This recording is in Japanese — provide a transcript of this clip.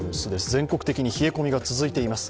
全国的に冷え込みが続いています。